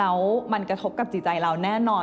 แล้วมันกระทบกับจิตใจเราแน่นอน